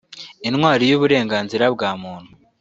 intwari y’ uburenganzira bwa muntu